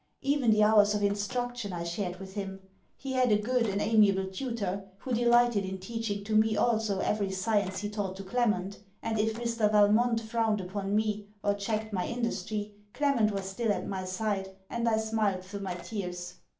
Even the hours of instruction I shared with him. He had a good, an amiable tutor, who delighted in teaching to me also every science he taught to Clement; and if Mr. Valmont frowned upon me or checked my industry, Clement was still at my side and I smiled through my tears.